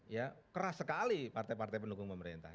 ya keras sekali partai partai pendukung pemerintah